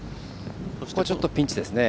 ちょっとピンチですね。